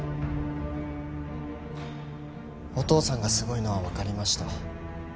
お父さんがすごいのはわかりました。